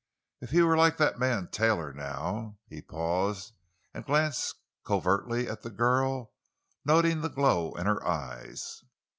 If he were like that man Taylor, now——" He paused and glanced covertly at the girl, noting the glow in her eyes.